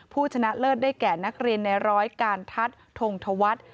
ชนะเลิศได้แก่นักเรียนในร้อยการทัศน์ทงธวัฒน์